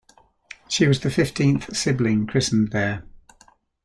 She was the fifteenth sibling christened there.